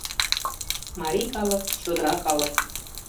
Марий калык — чодыра калык.